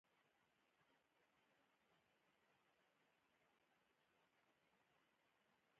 د میرمنو کار د کورنۍ پلان ښه کوي.